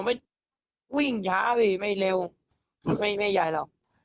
ไม่วิ่งช้าพี่ไม่เร็วไม่ไม่ใหญ่หรอก